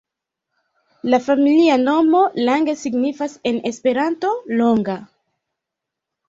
La familia nomo Lange signifas en en Esperanto ’’’longa’’’.